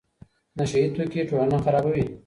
نشه یي توکي ټولنه خرابوي.